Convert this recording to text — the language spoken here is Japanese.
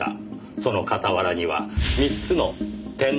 その傍らには３つの点の跡が。